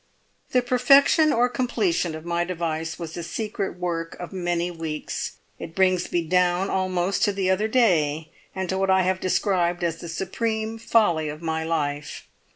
"The perfection or completion of my device was the secret work of many weeks; it brings me down almost to the other day, and to what I have described as the supreme folly of my life.